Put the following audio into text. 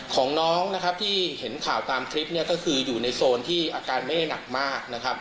ของน้องนะครับที่เห็นข่าวตามคลิปเนี่ยก็คืออยู่ในโซนที่อาการไม่ได้หนักมากนะครับ